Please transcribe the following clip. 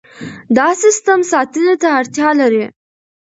دا سیستم ساتنې ته اړتیا لري.